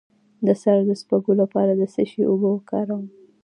د سر د سپږو لپاره د څه شي اوبه وکاروم؟